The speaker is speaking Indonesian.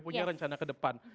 punya rencana ke depan